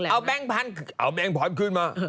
เอาแบงค์ผันขึ้นมา